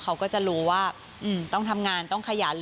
เขาก็จะรู้ว่าต้องทำงานต้องขยัน